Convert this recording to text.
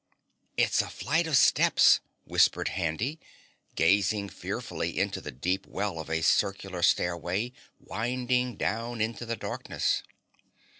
"It's a flight of steps," whispered Handy, gazing fearfully into the deep well of a circular stairway winding down into the darkness.